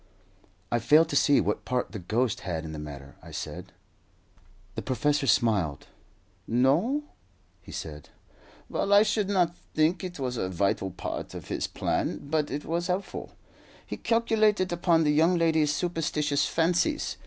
"I fail to see what part the ghost had in the matter," I said. The professor smiled. "No?" he said. "Well, I should not think it was a vital part of his plan, but it was helpful. He calculated upon the young lady's superstitious fancies.